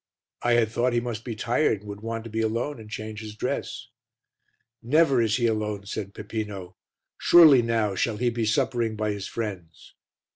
I had thought he must be tired and would want to be alone and change his dress. "Never is he alone," said Peppino. "Surely now shall he be suppering by his friends."